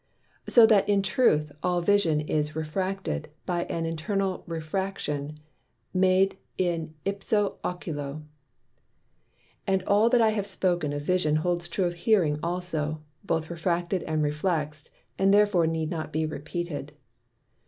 So that in truth, all Vision is Refracted by an internal Refraction made in ipso Oculo. And all that I have spoken of Vision holds true of Hearing also, both Refracted and Reflext, and therefore need not be repeated.